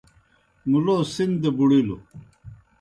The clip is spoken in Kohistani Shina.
مُلو سِن دہ بُڑِیلوْ۔